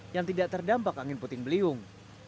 yang tidak terdampak angin puting beliung